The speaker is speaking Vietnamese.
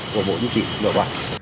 của bộ chính trị lộ bản